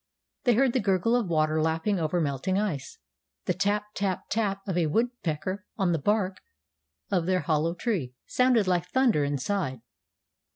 They heard the gurgle of water lapping over melting ice. The tap tap tap of a woodpecker on the bark of their hollow tree sounded like thunder inside.